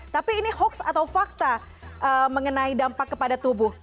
tapi ini hoax atau fakta mengenai dampak kepada tubuh